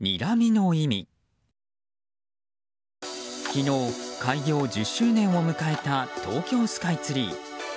昨日、開業１０周年を迎えた東京スカイツリー。